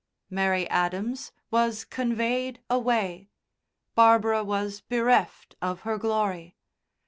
Mary Adams was conveyed away; Barbara was bereft of her glory.